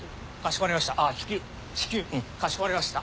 かしこまりました！